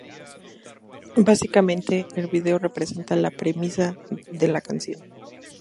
Básicamente, el video representa la premisa de la canción.